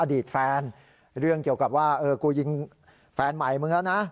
อดีตแฟนเรื่องเกี่ยวกับว่าเออกูยิงแฟนใหม่มึงแล้วนะ